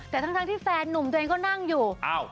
แต่ทั้งที่แฟนหนุ่มตัวเองก็นั่งอยู่